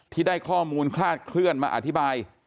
ที่ได้ข้อมูลคลาดเคลื่อนมาอธิบาย